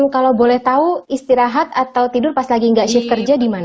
kalau boleh tahu istirahat atau tidur pas lagi nggak shift kerja di mana